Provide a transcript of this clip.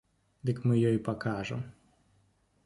Дык мы ёй пакажам!